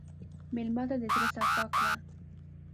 مېلمه ته د زړه صفا کړه.